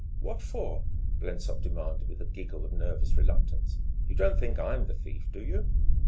"What for?" Blensop demanded with a giggle of nervous reluctance. "You don't think I'm the thief, do you?"